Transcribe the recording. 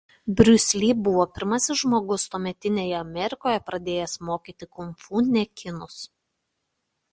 Bruce Lee buvo pirmasis žmogus tuometinėje Amerikoje pradėjęs mokyti kung fu ne kinus.